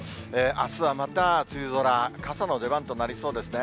あすはまた、梅雨空、傘の出番となりそうですね。